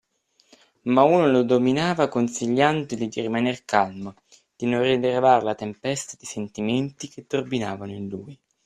ma uno lo dominava consigliandogli di rimaner calmo, di non rivelare la tempesta dei sentimenti che turbinavano in lui.